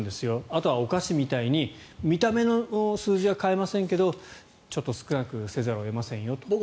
あとはお菓子みたいに見た目の数字は変えませんけどちょっと少なくせざるを得ませんよという。